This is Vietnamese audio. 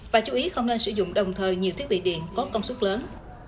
và chú ý không nên sử dụng đồng thời nhiều thiết bị điện có công suất lớn